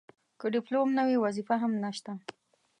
که ډیپلوم نه وي وظیفه هم نشته.